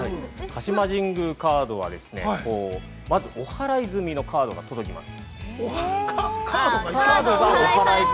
◆鹿島神宮カードは、まず、おはらい済みのカードが届きます。